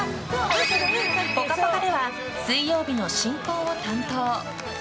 「ぽかぽか」では水曜日の進行を担当。